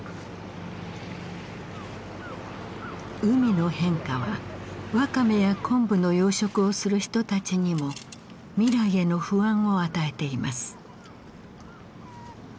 海の変化はワカメやコンブの養殖をする人たちにも未来への不安を与えています。